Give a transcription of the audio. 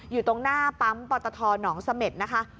อยู่ตรงหน้าปั๊มปตทหนองเสม็ดนะคะ